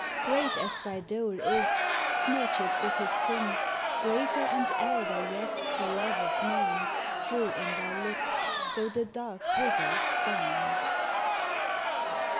Great as thy dole is, smirchèd with his sin, Greater and elder yet the love of man Full in thy look, though the dark visor's down.